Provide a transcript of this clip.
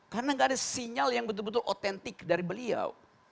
karena gak ada sinyal yang betul betul otentik dari beliau